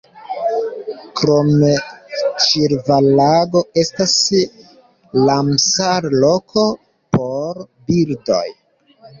Krome Ĉilva-Lago estas Ramsar-loko por birdoj.